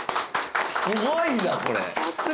すごいなこれ！